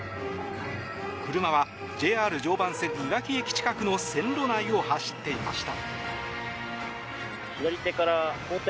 車はＪＲ常磐線いわき駅近くの線路内を走っていました。